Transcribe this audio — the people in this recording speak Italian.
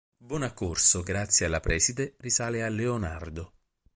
Bonaccorso grazie alla preside risale a Leonardo.